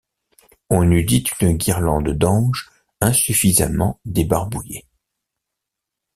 On eût dit une guirlande d’anges insuffisamment débarbouillés.